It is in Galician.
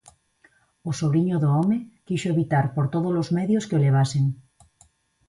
O sobriño do home quixo evitar por todos os medios que o levasen.